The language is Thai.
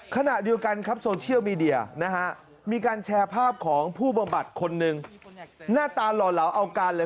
ขณะเดียวกันครับโซเชียลมีเดียนะฮะมีการแชร์ภาพของผู้บำบัดคนหนึ่งหน้าตาหล่อเหลาเอาการเลย